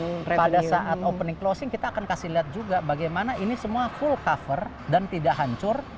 nah pada saat opening closing kita akan kasih lihat juga bagaimana ini semua full cover dan tidak hancur